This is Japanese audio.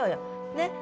ねっ。